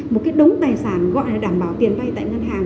một cái đống tài sản gọi là đảm bảo tiền vay tại ngân hàng